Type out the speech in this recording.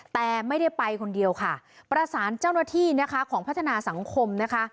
แต่ไม่ได้ไปคนเดียวค่ะประสานเจ้าหน้าที่นะคะของพัฒนาสังคมนะคะ